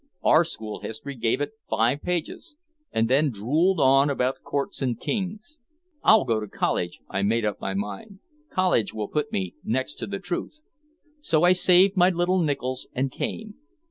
Our school history gave it five pages and then druled on about courts and kings. 'I'll go to college,' I made up my mind. 'College will put me next to the truth.' So I saved my little nickels and came.